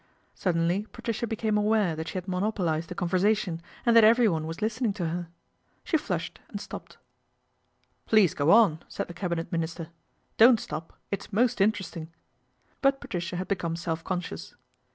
Suddenly Patricia became aware that she had lonopolised the conversation and that every ne was listening to her. She flushed and j:opped. " Please go on," said the Cabinet Minister ; 'don't stop, it's most interesting." But Patricia had become self conscious.